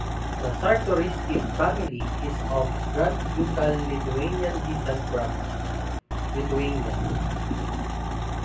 The Czartoryski family is of Grand Ducal Lithuanian descent from Ruthenia.